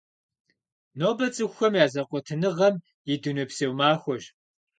Нобэ цӀыхухэм я зэкъуэтыныгъэм и дунейпсо махуэщ.